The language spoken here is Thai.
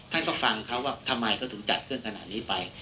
ท่านก็ฟังเขาว่าทำไมเขาถึงจัดเครื่องขนาดนี้ไป